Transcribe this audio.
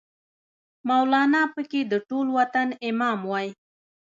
مولانا پکې د ټول وطن امام وای